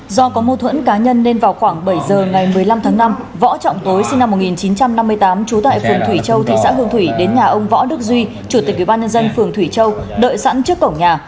do có mô thuẫn cá nhân nên vào khoảng bảy giờ ngày một mươi năm tháng năm võ trọng tối sinh năm một nghìn chín trăm năm mươi tám trú tại phường thủy châu thị xã hương thủy đến nhà ông võ đức duy chủ tịch ủy ban nhân dân phường thủy châu đợi sẵn trước cổng nhà